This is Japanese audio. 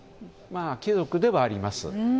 貴族ではあります。